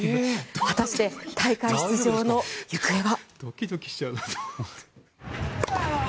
果たして、大会出場の行方は。